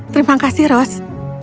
terima kasih rose